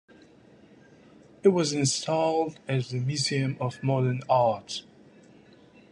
It was installed at the Museum of Modern Art.